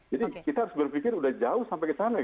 jadi kita harus berpikir sudah jauh sampai ke sana kan